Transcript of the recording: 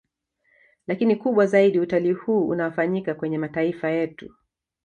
Lakini kubwa zaidi utalii huu unaofanyika kwenye mataifa yetu